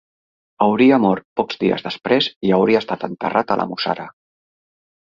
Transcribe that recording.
Hauria mort pocs dies després i hauria estat enterrat a la Mussara.